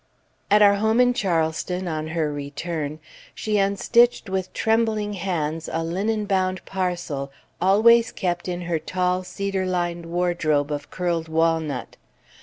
At our home in Charleston, on her return, she unstitched with trembling hands a linen bound parcel always kept in her tall, cedar lined wardrobe of curled walnut.